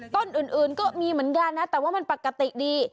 ต้นอื่นก็มีเหมือนกันนะแต่ว่ามันปกติดี